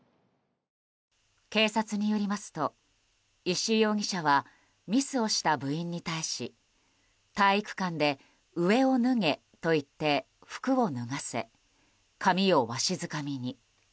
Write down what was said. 警察によりますと、石井容疑者はミスをした部員に対し体育館で上を脱げと言って服を脱がせ、髪をわしづかみに。